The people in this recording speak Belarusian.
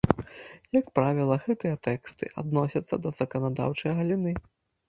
Як правіла, гэтыя тэксты адносяцца да заканадаўчае галіны.